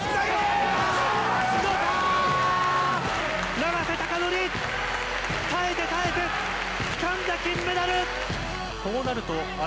永瀬貴規、耐えて耐えてつかんだ金メダル！